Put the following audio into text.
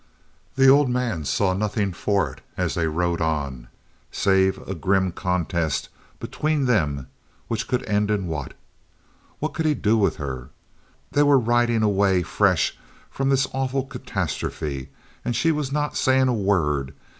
The old man saw nothing for it, as they rode on, save a grim contest between them which could end in what? What could he do with her? They were riding away fresh from this awful catastrophe, and she was not saying a word!